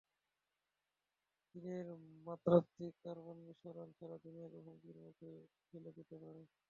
চীনের মাত্রাতিরিক্ত কার্বন নিঃসরণ সারা দুনিয়াকেই হুমকির মুখে ফেলে দিতে পারে।